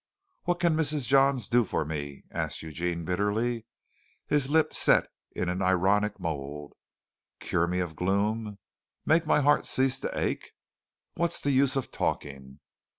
"What can Mrs. Johns do for me?" asked Eugene bitterly, his lip set in an ironic mould. "Cure me of gloom? Make my heart cease to ache? What's the use of talking?